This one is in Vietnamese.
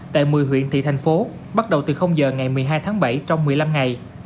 tại một mươi huyện thị thành phố bắt đầu từ giờ ngày một mươi hai tháng bảy trong một mươi năm ngày